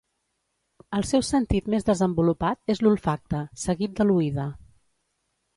El seu sentit més desenvolupat és l'olfacte, seguit de l'oïda.